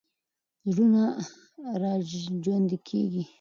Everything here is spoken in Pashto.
زړونه راژوندي کېږي.